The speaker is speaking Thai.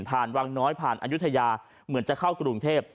วังน้อยผ่านอายุทยาเหมือนจะเข้ากรุงเทพ